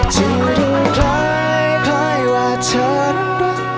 ที่ดูคล้ายว่าเธอนั้นรัก